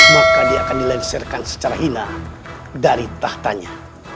maka dia akan dilengsarkan secara hina dari tahtanya